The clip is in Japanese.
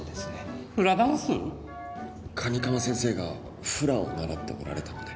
蟹釜先生がフラを習っておられたので。